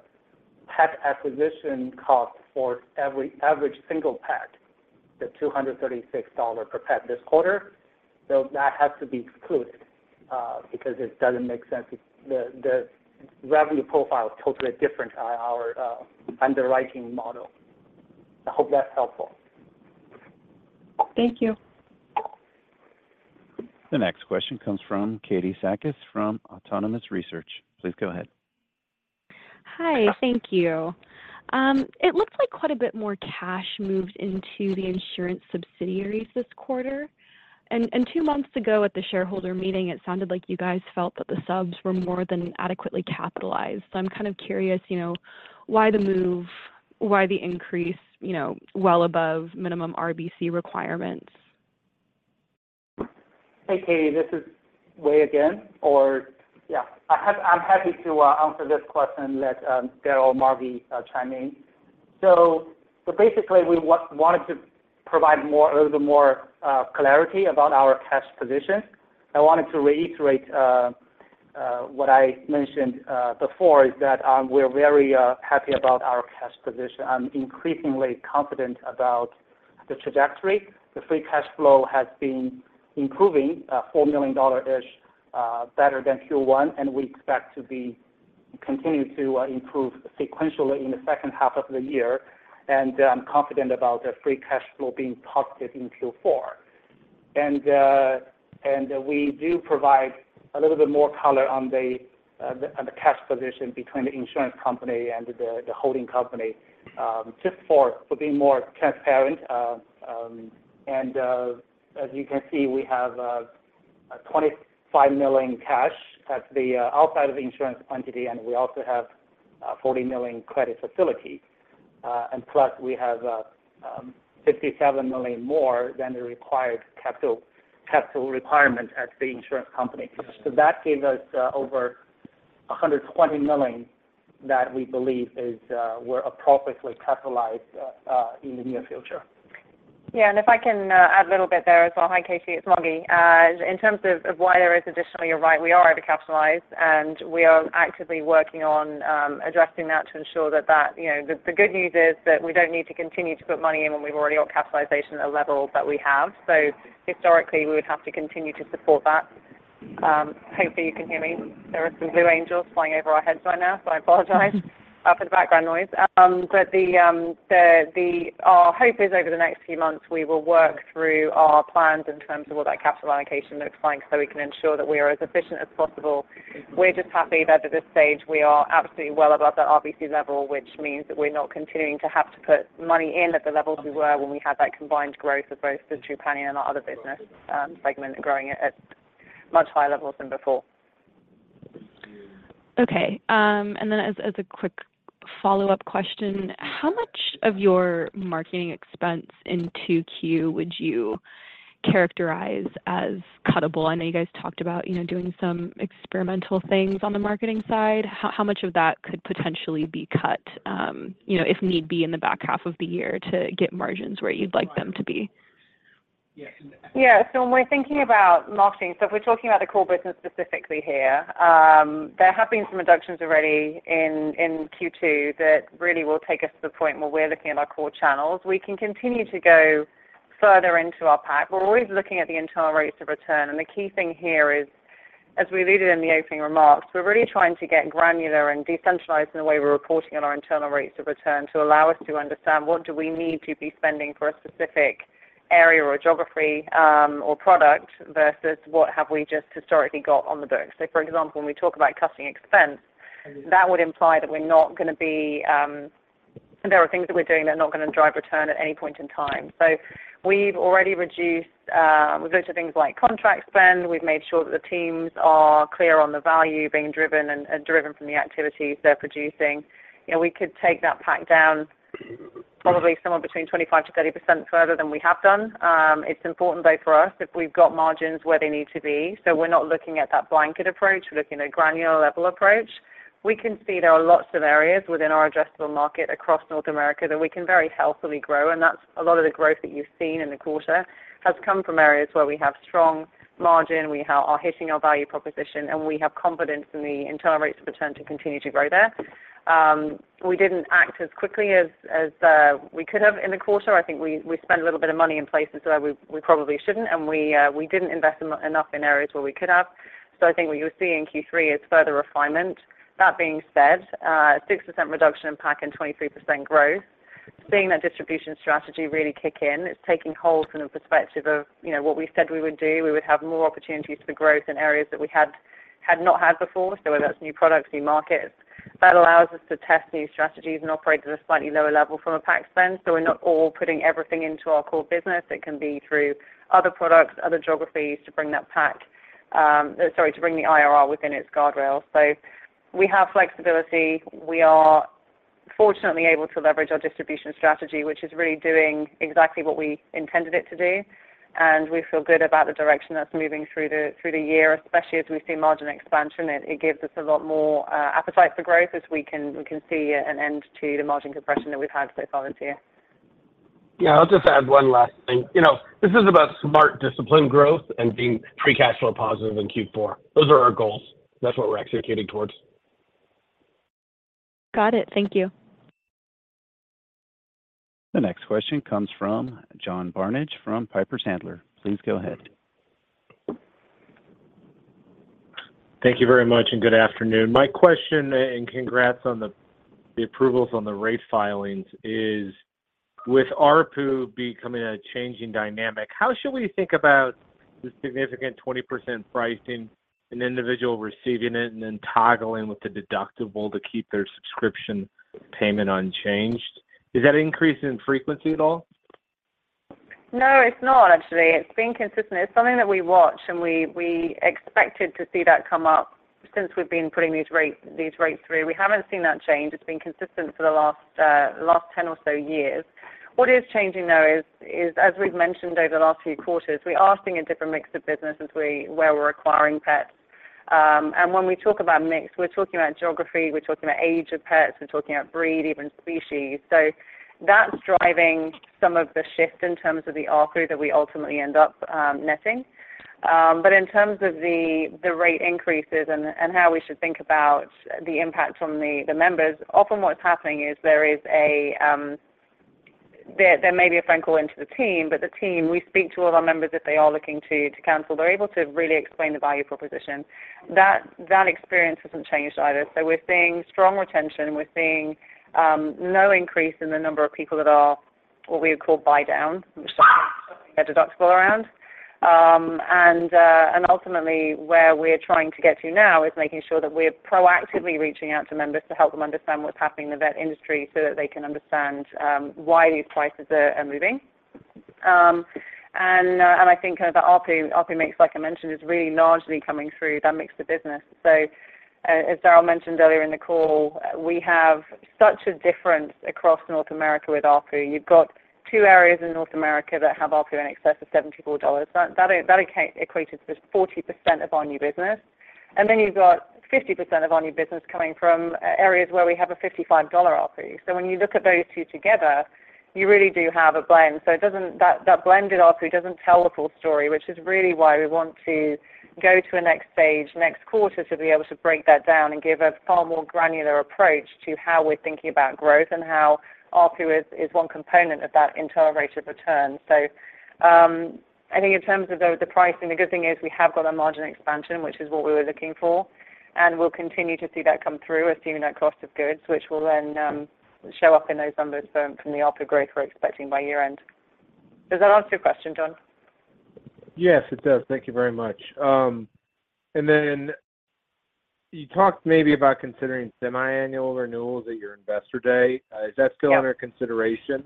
pet acquisition cost for every average single pet, the $236 per pet this quarter, so that has to be excluded, because it doesn't make sense. It's the revenue profile is totally different on our underwriting model. I hope that's helpful. Thank you. The next question comes from Katie Sakys, from Autonomous Research. Please go ahead. Hi, thank you. It looks like quite a bit more cash moved into the insurance subsidiaries this quarter. Two months ago, at the shareholder meeting, it sounded like you guys felt that the subs were more than adequately capitalized. I'm kind of curious, you know, why the move, why the increase, you know, well above minimum RBC requirements? Hey, Katie, this is Wei again, I'm happy to answer this question and let Darryl, Margi, chime in. Basically, we wanted to provide more, a little bit more, clarity about our cash position. I wanted to reiterate what I mentioned before, is that we're very happy about our cash position. I'm increasingly confident about the trajectory. The free cash flow has been improving, $4 million-ish better than Q1, and we expect to be continuing to improve sequentially in the H2 of the year. I'm confident about the free cash flow being positive in Q4. We do provide a little bit more color on the cash position between the insurance company and the holding company, just for being more transparent. As you can see, we have $25 million cash at the outside of the insurance entity, and we also have a $40 million credit facility. Plus, we have $57 million more than the required capital, capital requirement at the insurance company. That gave us over $120 million that we believe is we're appropriately capitalized in the near future. Yeah, if I can add a little bit there as well. Hi, Katie, it's Margi. In terms of, of why there is additionally, you're right, we are overcapitalized, and we are actively working on addressing that to ensure that that, you know. The, the good news is that we don't need to continue to put money in when we've already got capitalization at a level that we have. Historically, we would have to continue to support that. Hopefully, you can hear me. There are some Blue Angels flying over our heads right now, so I apologize for the background noise. The, the, our hope is over the next few months, we will work through our plans in terms of what that capital allocation looks like, so we can ensure that we are as efficient as possible. We're just happy that at this stage, we are absolutely well above that RBC level, which means that we're not continuing to have to put money in at the level we were when we had that combined growth of both the Trupanion and our other business, segment growing at, at much higher levels than before. Okay, then as, as a quick follow-up question, how much of your marketing expense in 2Q would you characterize as cuttable? I know you guys talked about, you know, doing some experimental things on the marketing side. How, how much of that could potentially be cut, you know, if need be, in the back half of the year to get margins where you'd like them to be? Yeah. When we're thinking about marketing, if we're talking about the core business specifically here, there have been some reductions already in Q2 that really will take us to the point where we're looking at our core channels. We can continue to go further into our PAC. We're always looking at the internal rates of return, and the key thing here is, as we stated in the opening remarks, we're really trying to get granular and decentralized in the way we're reporting on our internal rates of return to allow us to understand what do we need to be spending for a specific area, or geography, or product, versus what have we just historically got on the books. For example, when we talk about cutting expense, that would imply that we're not gonna be. There are things that we're doing that are not gonna drive return at any point in time. We've already reduced, those are things like contract spend. We've made sure that the teams are clear on the value being driven and, and driven from the activities they're producing. You know, we could take that PAC down probably somewhere between 25%-30% further than we have done. It's important though, for us, if we've got margins where they need to be. We're not looking at that blanket approach, we're looking at granular level approach. We can see there are lots of areas within our addressable market across North America that we can very healthily grow, and that's a lot of the growth that you've seen in the quarter has come from areas where we are hitting our value proposition, and we have confidence in the internal rates of return to continue to grow there. We didn't act as quickly as we could have in the quarter. I think we spent a little bit of money in places where we probably shouldn't, and we didn't invest enough in areas where we could have. I think what you'll see in Q3 is further refinement. That being said, 6% reduction in PAC and 23% growth, seeing that distribution strategy really kick in, it's taking whole kind of perspective of, you know, what we said we would do. We would have more opportunities for growth in areas that we had, had not had before. Whether that's new products, new markets, that allows us to test new strategies and operate at a slightly lower level from a PAC spend. We're not all putting everything into our core business. It can be through other products, other geographies to bring that PAC, Sorry, to bring the IRR within its guardrail. We have flexibility. We are fortunately able to leverage our distribution strategy, which is really doing exactly what we intended it to do, and we feel good about the direction that's moving through the year, especially as we see margin expansion. It gives us a lot more appetite for growth as we can see an end to the margin compression that we've had so far this year. Yeah, I'll just add one last thing. You know, this is about smart, disciplined growth and being free cash flow positive in Q4. Those are our goals. That's what we're executing towards. Got it. Thank you. The next question comes from John Barnidge, from Piper Sandler. Please go ahead. Thank you very much. Good afternoon. My question, congrats on the approvals on the rate filings, is with ARPU becoming a changing dynamic, how should we think about the significant 20% pricing, an individual receiving it and then toggling with the deductible to keep their subscription payment unchanged? Does that increase in frequency at all? No, it's not actually. It's been consistent. It's something that we watch, and we expected to see that come up since we've been putting these rates through. We haven't seen that change. It's been consistent for the last 10 or so years. What is changing, though, is as we've mentioned over the last few quarters, we are seeing a different mix of business as we're acquiring pets. When we talk about mix, we're talking about geography, we're talking about age of pets, we're talking about breed, even species. So that's driving some of the shift in terms of the ARPU that we ultimately end up netting. In terms of the, the rate increases and, and how we should think about the impact on the, the members, often what's happening is there is a, there, there may be a phone call into the team, but the team, we speak to all our members if they are looking to, to cancel. They're able to really explain the value proposition. That, that experience hasn't changed either. We're seeing strong retention. We're seeing no increase in the number of people that are, what we would call buy down, their deductible around. Ultimately, where we're trying to get to now is making sure that we're proactively reaching out to members to help them understand what's happening in the vet industry, so that they can understand why these prices are, are moving. I think kind of the ARPU, ARPU mix, like I mentioned, is really largely coming through that mix of business. As Darryl mentioned earlier in the call, we have such a difference across North America with ARPU. You've got two areas in North America that have ARPU in excess of $74. That equates to 40% of our new business, and then you've got 50% of our new business coming from areas where we have a $55 ARPU. When you look at those two together, you really do have a blend. It doesn't that, that blended ARPU doesn't tell the full story, which is really why we want to go to a next stage next quarter, to be able to break that down and give a far more granular approach to how we're thinking about growth and how ARPU is, is one component of that internal rate of return. I think in terms of the, the pricing, the good thing is we have got a margin expansion, which is what we were looking for, and we'll continue to see that come through assuming that cost of goods, which will then show up in those numbers from, from the ARPU growth we're expecting by year-end. Does that answer your question, John? Yes, it does. Thank you very much. Then you talked maybe about considering semi-annual renewals at your investor day. Yep. Is that still under consideration?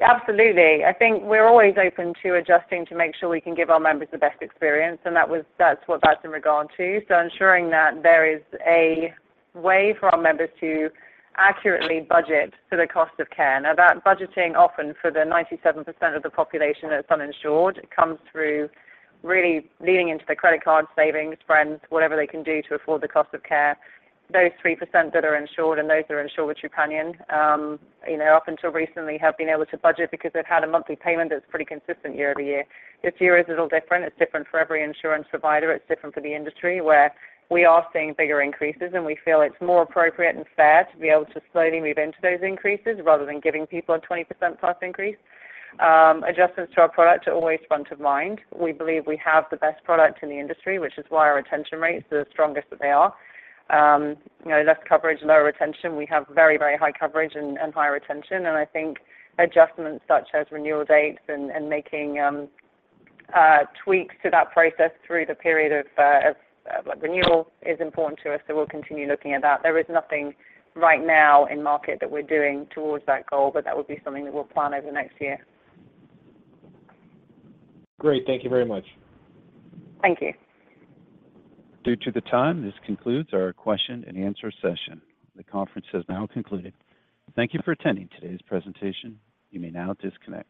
Absolutely. I think we're always open to adjusting to make sure we can give our members the best experience, that's what that's in regard to. Ensuring that there is a way for our members to accurately budget for the cost of care. That budgeting often for the 97% of the population that's uninsured, comes through really leaning into their credit card, savings, friends, whatever they can do to afford the cost of care. Those 3% that are insured and those that are insured with Trupanion, you know, up until recently, have been able to budget because they've had a monthly payment that's pretty consistent year over year. This year is a little different. It's different for every insurance provider. It's different for the industry, where we are seeing bigger increases, and we feel it's more appropriate and fair to be able to slowly move into those increases rather than giving people a 20% plus increase. Adjustments to our product are always front of mind. We believe we have the best product in the industry, which is why our retention rates are the strongest that they are. You know, less coverage, lower retention. We have very, very high coverage and, and high retention, and I think adjustments such as renewal dates and, and making tweaks to that process through the period of renewal is important to us, so we'll continue looking at that. There is nothing right now in market that we're doing towards that goal, but that would be something that we'll plan over the next year. Great. Thank you very much. Thank you. Due to the time, this concludes our question and answer session. The conference has now concluded. Thank you for attending today's presentation. You may now disconnect.